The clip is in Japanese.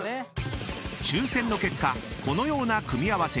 ［抽選の結果このような組み合わせに］